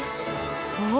おっ！